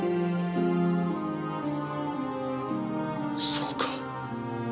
そうか。